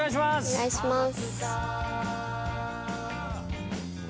お願いします。